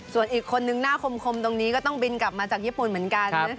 ส่วนอีกคนนึงหน้าคมตรงนี้ก็ต้องบินกลับมาจากญี่ปุ่นเหมือนกัน